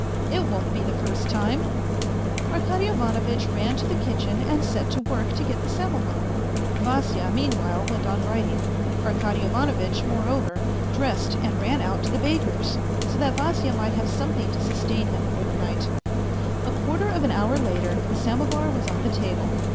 It won't be the first time " Arkady Ivanovitch ran to the kitchen and set to work to get the samovar; Vasya meanwhile went on writing. Arkady Ivanovitch, moreover, dressed and ran out to the baker's, so that Vasya might have something to sustain him for the night. A quarter of an hour later the samovar was on the table.